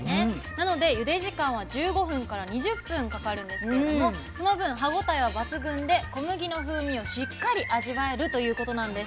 なのでゆで時間は１５分から２０分かかるんですけれどもその分歯応えは抜群で小麦の風味をしっかり味わえるということなんです。